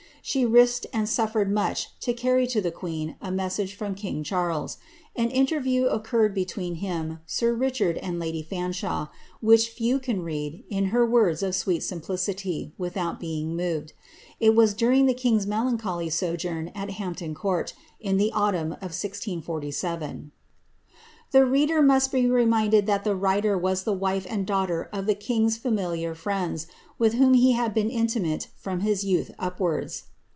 She risked and su fibred much to cany to the queoi a message from king Charles. An interview occurred between him, m Richard, and lady Fanshawe, which few can read, in her words of sweet simplicity, without being moved. It was during the king's melandioly sojourn at Hampton Court, in the autumn of 1647. The reader must be reminded that the writer was the wife and daqgh ter of the king's familiar friends, with whom he had been intimate fnm his youth upwards.